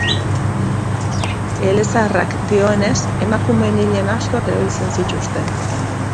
Elezaharrak dioenez, emakumeen ile nahastuak erabiltzen zituzten.